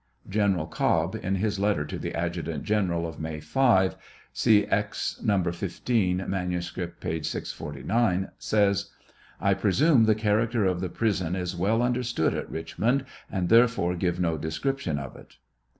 General Cobb, in his letter to the adjutant general of May 5, (see Ex. No. 15; manuscript, p. 649,) says: I presume tlie character of the prison is well understood at Richmond, and therefore give no description of it.